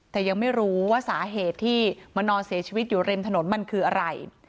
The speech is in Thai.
แต่ยังไม่รู้ว่าสาเหตุที่มานอนเสียชีวิตอยู่ริมถนนมันคืออะไร